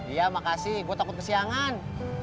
iya makasih gue takut kesiangan